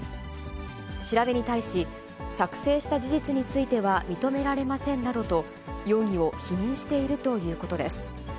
調べに対し、作成した事実については認められませんなどと、容疑を否認しているということです。